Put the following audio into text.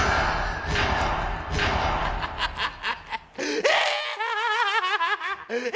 ハハハ！ハハハ！